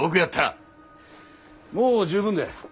もう十分だ。